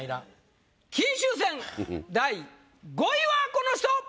金秋戦第５位はこの人！